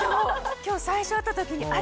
今日最初会った時にあれ？